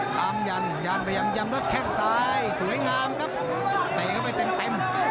ยันยันยันยันยันรถแค่งซ้ายสวยงามครับเตะกันไปเต็ม